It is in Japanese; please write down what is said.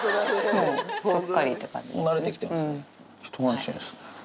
一安心ですね。